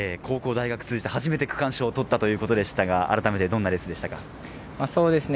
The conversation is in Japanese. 高校・大学を通じて、初めて区間賞を取ったということでしたが、どんなレースでしたか？